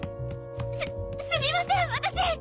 すすみません私。